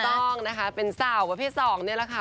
ต้องนะคะเป็นสาวประเภทสองนี่แหละค่ะ